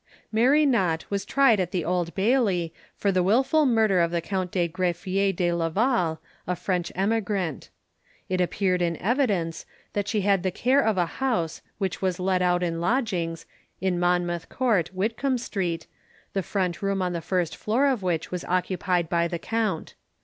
Mary Nott was tried at the Old Bailey, for the wilful murder of the Count de Greffiere de Laval, a French emigrant. It appeared in evidence, that she had the care of a house, which was let out in lodgings, in Monmouth court, Whitcomb street, the front room on the first floor of which was occupied by the count.